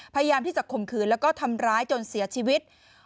พยายามที่จะข่มขืนแล้วก็ทำร้ายจนเสียชีวิต